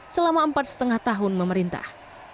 selama empat lima tahun memerintah